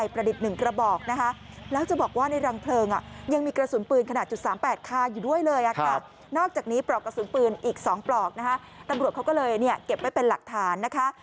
อีก๒ปลอกนะคะตำรวจเขาก็เลยเก็บไว้เป็นหลักฐานนะคะ